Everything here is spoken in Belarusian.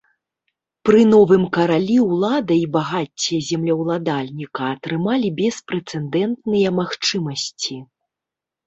Пры новым каралі ўлада і багацце землеўладальніка атрымалі беспрэцэдэнтныя магчымасці.